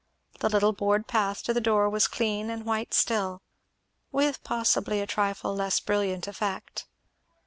The little board path to the door was clean and white still, with possibly a trifle less brilliant effect.